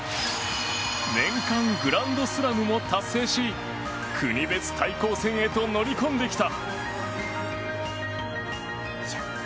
年間グランドスラムも達成し国別対抗戦へと乗り込んできた。